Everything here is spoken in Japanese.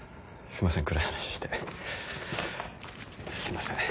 すいません。